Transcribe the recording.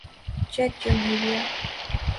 check جمہوریہ